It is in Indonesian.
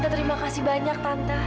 terima kasih banyak tante